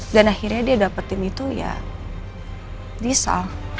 dan akhirnya dia dapetin itu ya lisa